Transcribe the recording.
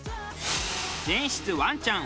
全室ワンちゃん